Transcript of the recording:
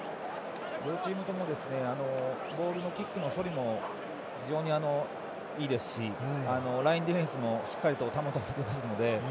両チームともボールのキックの処理も非常にいいですしラインディフェンスもしっかりしていますので。